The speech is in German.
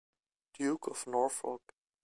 Duke of Norfolk.